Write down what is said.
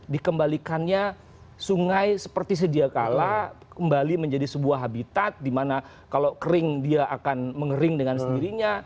dikembalikannya sungai seperti sedia kala kembali menjadi sebuah habitat di mana kalau kering dia akan mengering dengan sendirinya